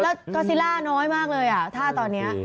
แล้วก็ซิล่าน้อยมากเลยถ้าตอนนี้